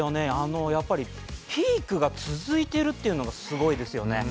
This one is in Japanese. ピークが続いているというのがすごいですよね。